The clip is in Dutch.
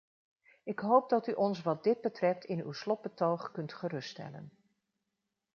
Ik hoop dat u ons wat dit betreft in uw slotbetoog kunt geruststellen.